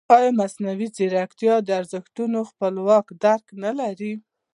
ایا مصنوعي ځیرکتیا د ارزښتونو خپلواک درک نه لري؟